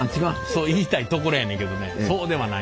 そう言いたいところやねんけどねそうではないんです。